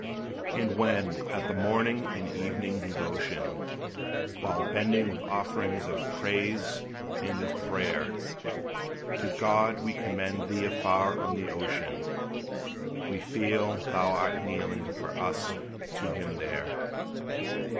And when at the morning and evening devotion, While bending with offerings of praise and of prayer, To God we commend thee afar on the ocean, We feel thou art kneeling for us to him there.